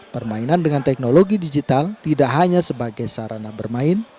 permainan dengan teknologi digital tidak hanya sebagai sarana bermain